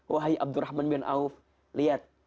wahai abdurrahman bin auf lihat